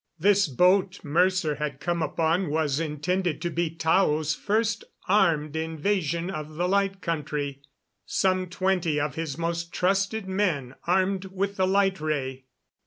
This boat Mercer had come upon was intended to be Tao's first armed invasion of the Light Country some twenty of his most trusted men armed with the light ray.